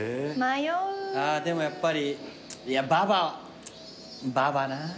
あぁでもやっぱりいやババババなぁ。